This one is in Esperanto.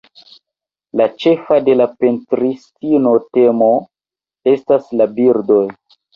La ĉefa de la pentristino temo estas la birdoj.